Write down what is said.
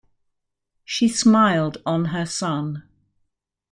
She smiled on her son.